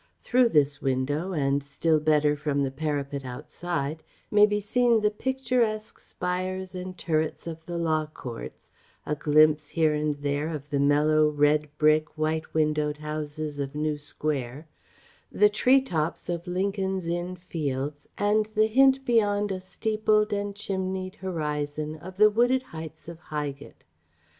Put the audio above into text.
Through this window, and still better from the parapet outside, may be seen the picturesque spires and turrets of the Law Courts, a glimpse here and there of the mellow, red brick, white windowed houses of New Square, the tree tops of Lincoln's Inn Fields, and the hint beyond a steepled and chimneyed horizon of the wooded heights of Highgate.